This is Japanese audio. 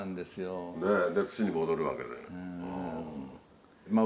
で土に戻るわけで。